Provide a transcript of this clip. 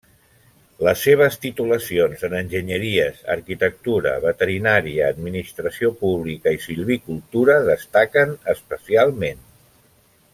Les seves titulacions en enginyeries, arquitectura, veterinària, administració pública i silvicultura destaquen especialment.